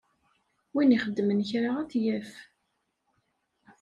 Win ixedmen kra ad t-yaf.